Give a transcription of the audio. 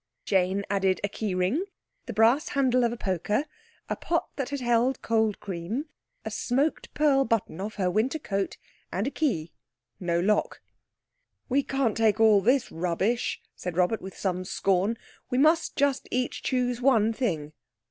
Jane added a key ring, the brass handle of a poker, a pot that had held cold cream, a smoked pearl button off her winter coat, and a key—no lock. "We can't take all this rubbish," said Robert, with some scorn. "We must just each choose one thing."